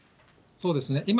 そうですね。